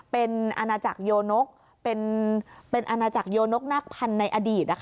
เป็นอาณาจักรโยนกเป็นอาณาจักรโยนกนักพันธุ์ในอดีต